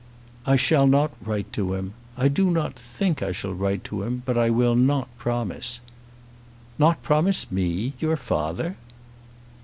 "I shall not write to him. I do not think I shall write to him; but I will not promise." "Not promise me, your father!"